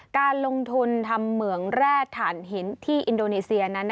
การลงทุนทำเหมืองแร่ฐานหินที่อินโดนีเซียนั้น